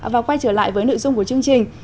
và quay trở lại với nội dung của chương trình